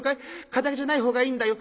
堅気じゃないほうがいいんだよ。